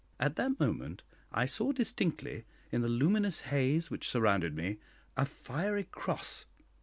At that moment I saw distinctly, in the luminous haze which surrounded me, a fiery cross.